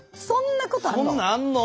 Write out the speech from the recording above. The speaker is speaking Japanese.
そんなんあんの？